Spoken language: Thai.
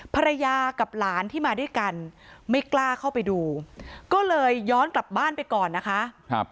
ภรรยากับหลานที่มาด้วยกันไม่กล้าเข้าไปดูก็เลยย้อนกลับบ้านไปก่อนนะคะ